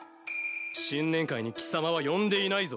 新年会に貴様は呼んでいないぞ。